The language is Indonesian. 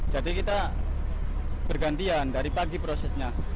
jadi kita bergantian dari pagi prosesnya